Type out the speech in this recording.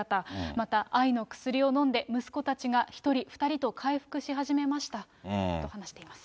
また、愛の薬を飲んで、息子たちが１人、２人と回復し始めましたと話しています。